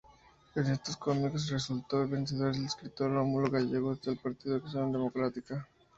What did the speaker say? En estos comicios resultó vencedor el escritor Rómulo Gallegos del partido Acción Democrática.